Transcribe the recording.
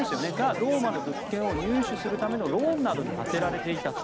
ローマの物件を入手するためのローンなどに充てられていたと。